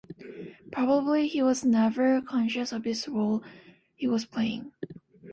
Probably he was never conscious of this role he was playing.